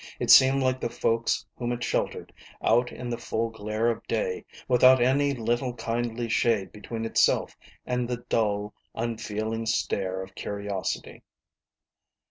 It seemed like the folks whom it sheltered, out in the full glare of day, without any little kindly shade between itself and the dull, unfeeling stare of curiosity.